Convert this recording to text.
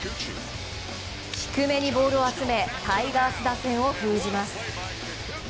低めにボールを集めタイガース打線を封じます。